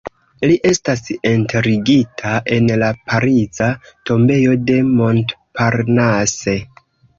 Li estas enterigita en la pariza tombejo de Montparnasse.